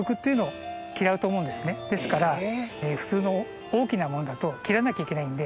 ですから普通の大きなものだと切らなきゃいけないんで。